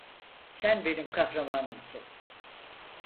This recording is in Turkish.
Sen benim kahramanımsın.